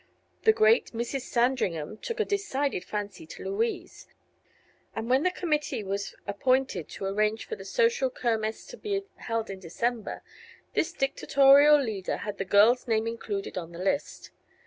The great Mrs. Sandringham took a decided fancy to Louise, and when the committee was appointed to arrange for the social Kermess to be held in December, this dictatorial leader had the girl's name included in the list.